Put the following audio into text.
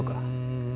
うん。